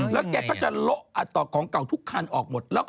แล้วแกก็จะโละอัดต่อของเก่าทุกคันออกหมด